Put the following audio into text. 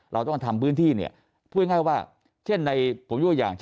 เราต้องทำพื้นที่เนี่ยพูดง่ายว่าเช่นในผมยกอย่างเช่น